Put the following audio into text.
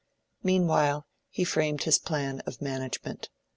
Meanwhile he framed his plan of management.